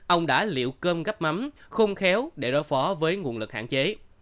ông đã liệu cơm gấp mắm không khéo để đối phó với nguồn lực hạn chế